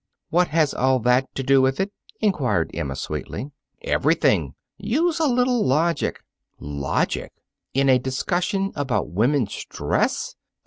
"What has all that to do with it?" inquired Emma sweetly. "Everything. Use a little logic." "Logic! In a discussion about women's dress!